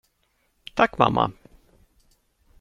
Tack, mamma.